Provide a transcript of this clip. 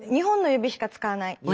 ２本の指しか使わない。